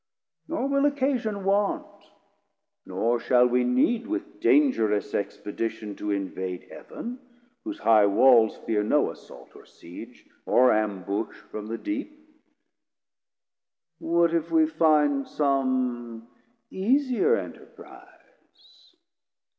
340 Nor will occasion want, nor shall we need With dangerous expedition to invade Heav'n, whose high walls fear no assault or Siege, Or ambush from the Deep. What if we find Some easier enterprize?